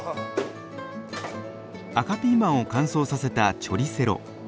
赤ピーマンを乾燥させたチョリセロ。